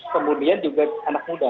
kemudian juga anak muda